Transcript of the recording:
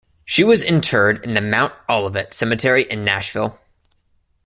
She was interred in the Mount Olivet Cemetery in Nashville.